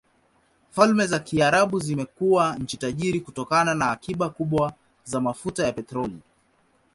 Falme za Kiarabu zimekuwa nchi tajiri kutokana na akiba kubwa za mafuta ya petroli.